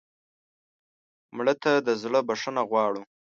مړه ته د زړه بښنه غواړو